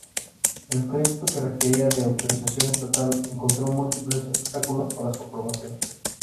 El proyecto que requería de autorización estatal encontró múltiples obstáculos para su aprobación.